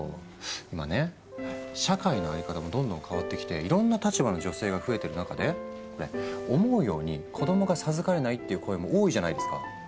今ね社会の在り方もどんどん変わってきていろんな立場の女性が増えてる中で思うように子どもが授かれないっていう声も多いじゃないですか。